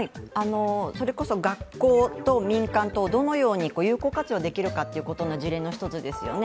それこそ学校と民間とどのように有効活用できるかっていう事例の一つですよね。